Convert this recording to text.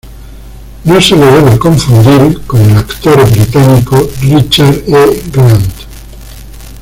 No se le debe confundir con el actor británico, Richard E. Grant.